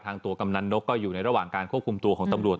ตัวกำนันนกก็อยู่ในระหว่างการควบคุมตัวของตำรวจ